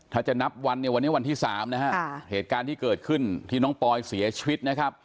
ถ้าจะนับวันเนี่ยวันนี้วันที่๓นะฮะเหตุการณ์ที่เกิดขึ้นที่น้องปอยเสียชีวิตนะครับ